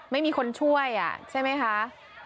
ไม่มีคนช่วยใช่ไหมคะ